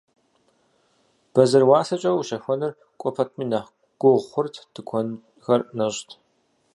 Бэзэр уасэкӀэ ущэхуэныр кӀуэ пэтми нэхъ гугъу хъурт, тыкуэнхэр нэщӀт.